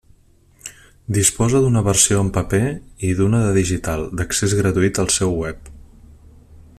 Disposa d'una versió en paper i d'una de digital, d'accés gratuït al seu web.